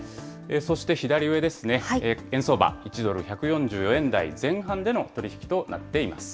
そして左上ですね、円相場、１ドル１４４円台前半での取り引きとなっています。